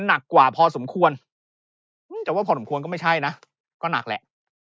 หนักกว่าพอสมควรจะว่าพอสมควรก็ไม่ใช่นะก็หนักแหละ